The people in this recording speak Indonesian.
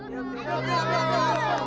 guntur guntur guntur